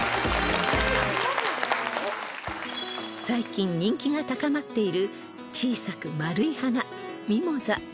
［最近人気が高まっている小さく丸い花］